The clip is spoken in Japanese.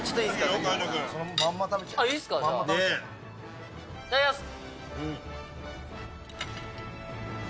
マジ⁉いただきます。